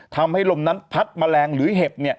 ทำให้ลมนั้นพัดแมลงหรือเห็บ